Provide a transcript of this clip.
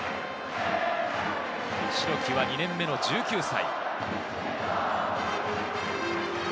代木は２年目の１９歳。